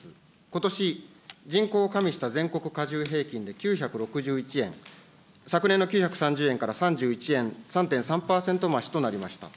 ことし、人口を加味した全国加重平均で９６１円、昨年の９３０円から３１円、３．３％増しとなりました。